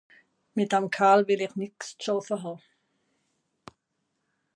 Mìt dem Kerl wìll ìch nìx ze schàffe hàn.